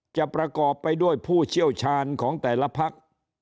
ประกอบไปด้วยผู้เชี่ยวชาญของแต่ละพัก